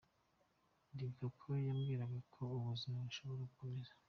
Ndibuka ko yambwiraga ko ubuzima bushobora gukomeza.